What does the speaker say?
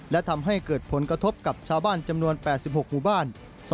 และทำให้เกิดผลกระทบกับชาวบ้านจำนวน๘๖หมู่บ้าน